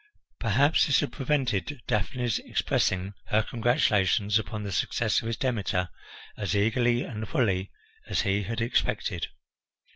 Perhaps this had prevented Daphne's expressing her congratulations upon the success of his Demeter as eagerly and fully as he had expected.